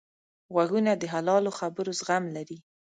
غوږونه د حلالو خبرو زغم لري